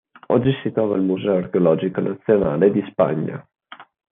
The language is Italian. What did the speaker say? Oggi si trova al Museo archeologico nazionale di Spagna.